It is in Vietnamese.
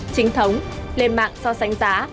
chính thống lên mạng so sánh giá